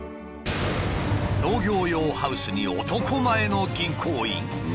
農業用ハウスに男前の銀行員？